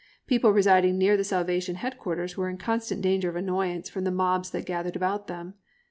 People residing near the Salvation headquarters were in constant danger of annoyance from the mobs that gathered about them.